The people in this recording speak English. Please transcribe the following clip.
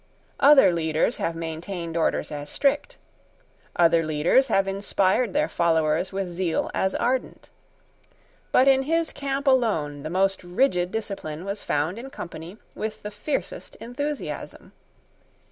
Other leaders have maintained orders as strict. Other leaders have inspired their followers with zeal as ardent. But in his camp alone the most rigid discipline was found in company with the fiercest enthusiasm.